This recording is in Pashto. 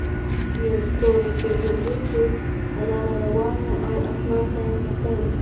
یو ستور پیژندونکی په لاره روان و او اسمان ته یې کتل.